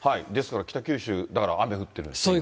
北九州、だから、雨降ってるんですね、今ね。